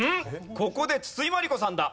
ここで筒井真理子さんだ。